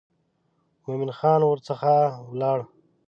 مومن خان ورڅخه ولاړ.